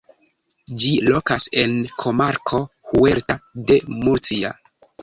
Ĝi lokas en komarko Huerta de Murcia.